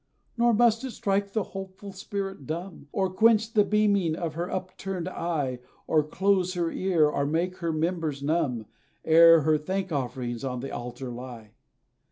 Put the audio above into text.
Nor must it strike the hopeful spirit dumb, Or quench the beaming of her upturned eye, Or close her ear, or make her members numb, Ere her thank offerings on the altar lie.